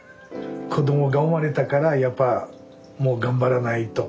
子どもが生まれたからやっぱもう頑張らないと。